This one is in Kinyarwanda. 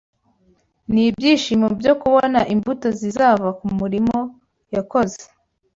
Ni ibyishimo byo kubona imbuto zizava ku murimo yakoze